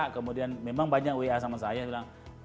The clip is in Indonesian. kemudian memang banyak wa sama saya bilang